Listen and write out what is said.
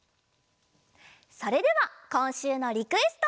それではこんしゅうのリクエスト！